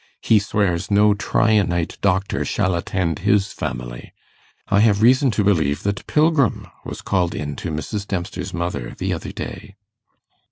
He swears no Tryanite doctor shall attend his family. I have reason to believe that Pilgrim was called in to Mrs. Dempster's mother the other day.